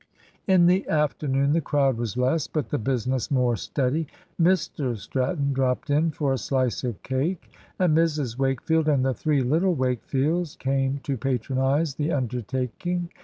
In the afternoon the crowd was less, but the business more steady. Mr Stratton dropped in for a slice of cake, and Mrs Wakefield and the three little Wakefields came to patronise the undertaking.